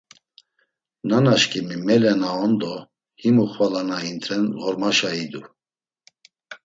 Nanaşǩimi mele na on do himu xvala na int̆ren ğormaşa idu.